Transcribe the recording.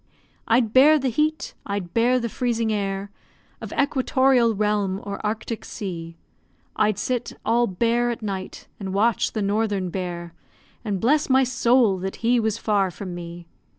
I'd bear the heat, I'd bear the freezing air Of equatorial realm or Arctic sea, I'd sit all bear at night, and watch the Northern bear, And bless my soul that he was far from me.